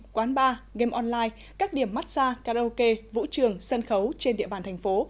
quán bar game online các điểm massage karaoke vũ trường sân khấu trên địa bàn thành phố